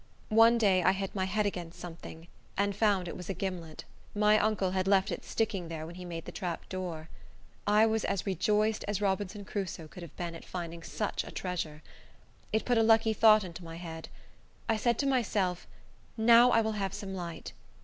One day I hit my head against something, and found it was a gimlet. My uncle had left it sticking there when he made the trap door. I was as rejoiced as Robinson Crusoe could have been at finding such a treasure. It put a lucky thought into my head. I said to myself, "Now I will have some light.